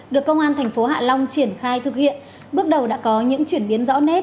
được công an tp hạ long triển khai thực hiện bước đầu đã có những chuyển biến rõ nét